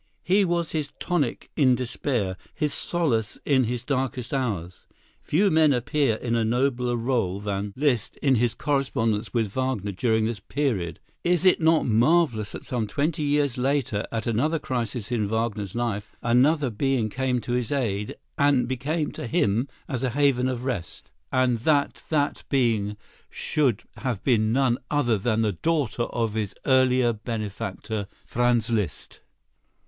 He was his tonic in despair, his solace in his darkest hours. Few men appear in a nobler rôle than Liszt in his correspondence with Wagner during this period. Is it not marvellous that some twenty years later, at another crisis in Wagner's life, another being came to his aid and became to him as a haven of rest; and that that being should have been none other than the daughter of his earlier benefactor, Franz Liszt?